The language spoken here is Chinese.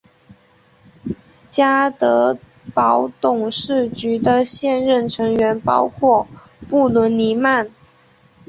家得宝董事局的现任成员包括布伦尼曼。